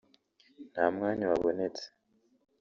nta mwanya wabonetse…”